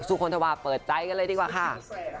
สุดท้อนให้เปิดใจดิกันเลยค่ะ